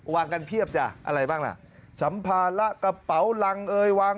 วางกันเพียบจ้ะอะไรบ้างล่ะสัมภาระกระเป๋ารังเอ่ยวาง